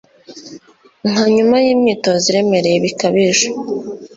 nka nyuma yimyitozo iremereye bikabije